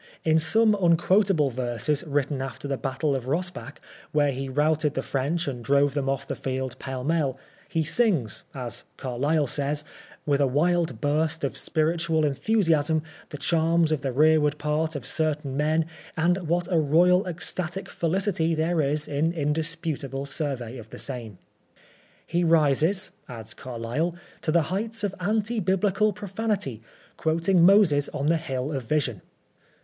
In some unquotable verses written a^er the battle of Rossbach, where he routed the French and drove them oflE the field pell mell, he sings, as Carlyle says, " with a wild burst of spiritual enthu siasm, the charms of the rearward part of certain men ; and what a royal ecstatic felicity there is in indisputable survey of the same." "He rises," adds Carlyle, "to the heights of Anti Biblical profanity, quoting Moses on the Hill of Vision."